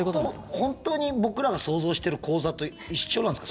本当に僕らが想像してる口座と一緒なんですか？